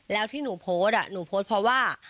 แล้วที่หนูโพสต์หนูโพสต์เพราะว่า